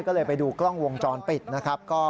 ก็เลยไปดูกล้องวงจรปิดนะครับ